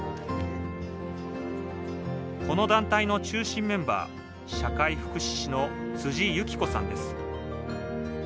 この団体の中心メンバー社会福祉士の辻由起子さんです